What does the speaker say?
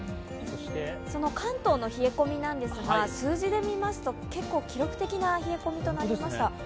関東の冷え込みなんですが、数字で見ますと結構記録的な冷え込みとなりました。